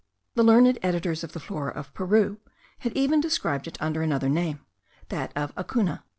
The learned editors of the Flora of Peru had even described it under another name, that of acunna.